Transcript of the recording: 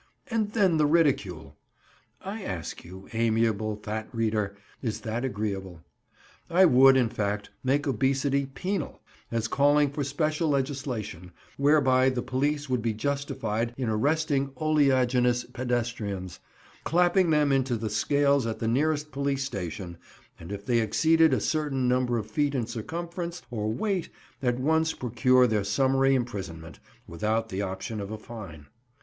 And then the ridicule! I ask you, amiable fat reader, is that agreeable? I would, in fact, make obesity penal, as calling for special legislation, whereby the police would be justified in arresting oleaginous pedestrians, clapping them into the scales at the nearest police station, and if they exceeded a certain number of feet in circumference, or weight, at once procure their summary imprisonment, without the option of a fine.